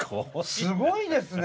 すごいですね。